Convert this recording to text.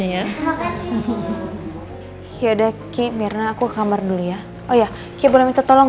ya udah aku kamar dulu ya oh ya kita boleh minta tolong